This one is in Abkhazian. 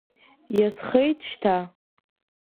Иазхеит шьҭа!